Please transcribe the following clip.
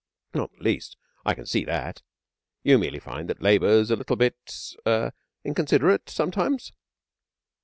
'Not in the least. I can see that. You merely find that Labour's a little bit er inconsiderate, sometimes?'